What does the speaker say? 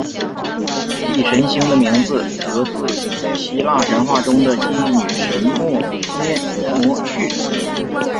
忆神星的名字得自希腊神话中的记忆女神谟涅摩叙涅。